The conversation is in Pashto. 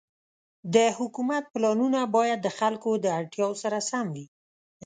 د حکومت پلانونه باید د خلکو د اړتیاوو سره سم وي.